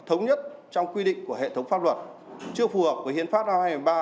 thống nhất trong quy định của hệ thống pháp luật chưa phù hợp với hiến pháp năm hai nghìn một mươi ba